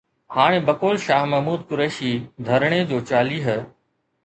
هاڻ بقول شاهه محمود قريشي، ڌرڻي جو چاليهه